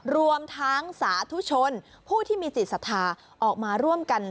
รวมทั้งสาธุชนผู้ที่มีจิตศรัทธาออกมาร่วมกัน